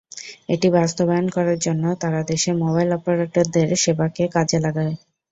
এটি বাস্তবায়ন করার জন্য তারা দেশের মোবাইল অপারেটরদের সেবাকে কাজে লাগায়।